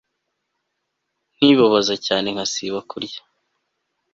nkibabaza cyane ngasiba kurya